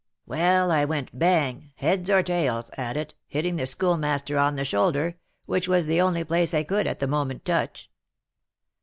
Well, I went bang, heads or tails, at it, hitting the Schoolmaster on the shoulder, which was the only place I could at the moment touch.